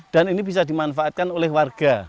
dan ini bisa dimanfaatkan oleh warga